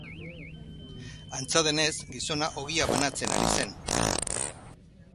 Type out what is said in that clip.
Antza denez, gizona ogia banatzen ari zen.